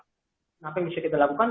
kenapa yang bisa kita lakukan